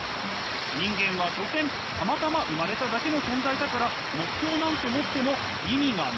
人間は所詮たまたま生まれただけの存在だから目標なんて持っても意味がない。